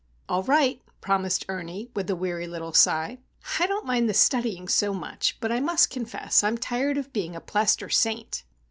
"All right," promised Ernie, with a weary little sigh. "I don't mind the studying so much; but I must confess I'm tired of being a plaster saint!"